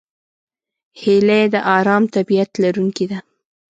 هیلۍ د آرام طبیعت لرونکې ده